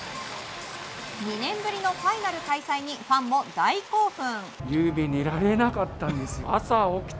２年ぶりのファイナル開催にファンも大興奮。